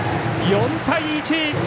４対１！